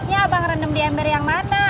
kaosnya abang rendam di ember yang mana